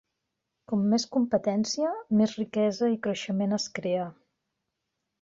Com més competència, més riquesa i creixement es crea.